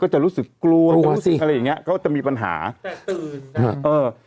จะรู้สึกกลัวรู้สึกอะไรอย่างเงี้ยก็จะมีปัญหาเออเออ